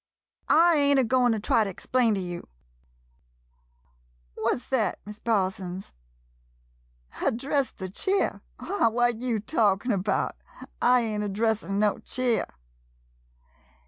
] I ain't a goin' to try to explain to you — what 's thet, Miss Parsons ? Address the cheer? Why, what you talkin' 'bout — I ain't addressin' no cheer